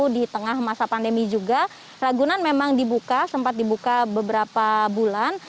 di tengah masa pandemi juga ragunan memang dibuka sempat dibuka beberapa bulan